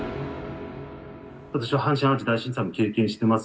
私は阪神・淡路大震災も経験してます。